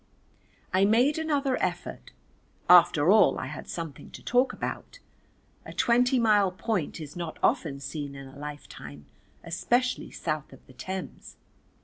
I made another effort, after all I had something to talk about, a twenty mile point is not often seen in a lifetime, especially south of the Thames.